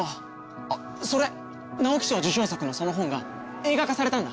あっそれ直木賞受賞作のその本が映画化されたんだ。